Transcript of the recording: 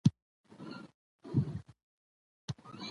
پلار د ماشومانو په ښوونځي کې برخه اخلي